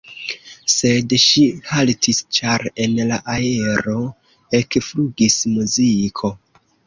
Sed ŝi haltis, ĉar en la aero ekflugis muziko.